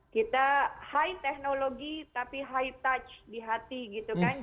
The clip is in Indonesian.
kita high teknologi tapi high touch di hati gitu kan